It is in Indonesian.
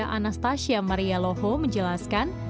dan anastasia maria loho menjelaskan